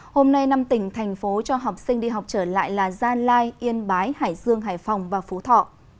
hôm nay năm tỉnh thành phố cho học sinh đi học trở lại là gia lai yên bái hải dương hải phòng và phú thọ